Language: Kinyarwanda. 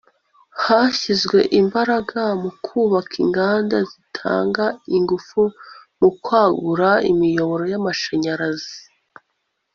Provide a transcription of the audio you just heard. hashyizwe imbaraga mu kubaka inganda zitanga ingufu no kwagura imiyoboro y' amashanyarazi